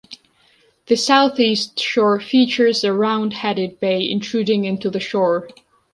The southeast shore features a round-headed bay intruding into the shore.